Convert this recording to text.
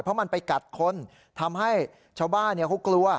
เพราะมันไปกัดคนทำให้ชาวบ้านเขากลัว